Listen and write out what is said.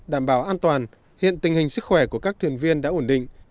đảm bảo an toàn hiện tình hình sức khỏe của các thuyền viên đã ổn định